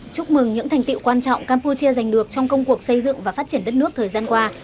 chúc mừng những thành tiệu quan trọng campuchia giành được trong công cuộc xây dựng và phát triển đất nước thời gian qua